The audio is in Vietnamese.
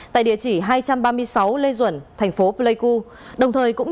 tại địa chỉ hai trăm ba mươi sáu lê duẩn thành phố pleiku